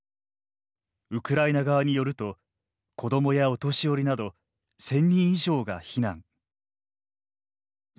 ウクライナ側によると子どもやお年寄りなど１，０００人以上が避難。